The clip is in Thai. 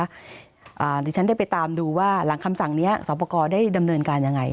เดี๋ยวฉันได้ไปตามดูว่าหลังคำสั่งนี้สอบประกอบได้ดำเนินการยังไง